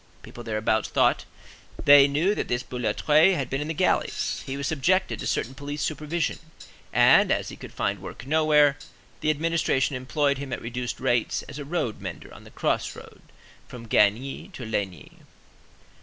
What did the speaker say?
People thereabouts thought they knew that this Boulatruelle had been in the galleys. He was subjected to certain police supervision, and, as he could find work nowhere, the administration employed him at reduced rates as a road mender on the crossroad from Gagny to Lagny.